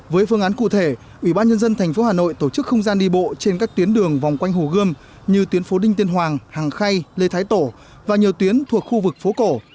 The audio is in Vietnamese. với phương án cụ thể ủy ban nhân dân tp hà nội tổ chức không gian đi bộ trên các tuyến đường vòng quanh hồ gươm như tuyến phố đinh tiên hoàng hàng khay lê thái tổ và nhiều tuyến thuộc khu vực phố cổ